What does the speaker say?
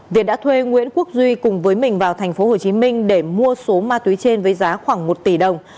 việt đã thuê nguyễn quốc duy cùng với mình vào tp hcm để mua số ma túy trên với giá khoảng một tỷ đồng